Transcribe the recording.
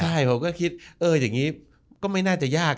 ใช่ผมก็คิดเอออย่างนี้ก็ไม่น่าจะยาก